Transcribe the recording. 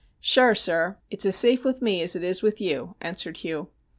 ' Shure, sir, it's as safe with me as it is with you,' answered Hugh.